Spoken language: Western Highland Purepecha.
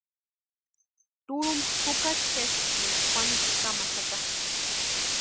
Turhumpa jukari kʼesti énka Juanitu kamani jaka.